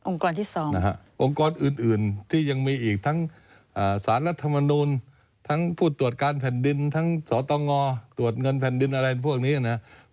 องค์กรอื่นที่ยังมีอีกทั้งสารรัฐมนูลทั้งผู้ตรวจการแผ่นดินทั้งสตงตรวจเงินแผ่นดินอะไรพวกนี้นะครับ